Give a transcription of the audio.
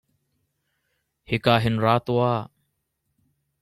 Hika hin ra tuah.